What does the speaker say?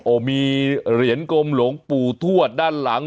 โอ้โหมีเหรียญกลมหลวงปู่ทวดด้านหลัง